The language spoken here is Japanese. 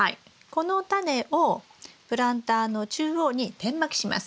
このタネをプランターの中央に点まきします。